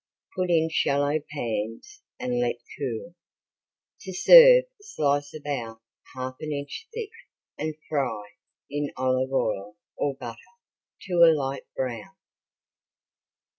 Put in shallow pans and let cool. To serve slice about half an inch thick and fry in olive oil or butter to a light brown.